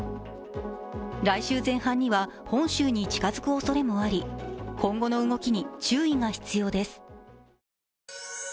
来週前半には本州に近づくおそれもあり、今後の動きに注意が必要です。